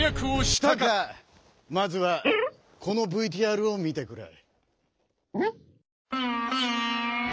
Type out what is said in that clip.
したかまずはこのＶＴＲを見てくれ。